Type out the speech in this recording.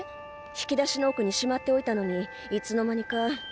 引き出しの奥にしまっておいたのにいつの間にかなくなってた。